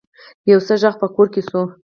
يو څه غږ په کور کې شو.